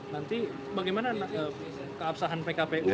nanti bagaimana keabsahan pkpu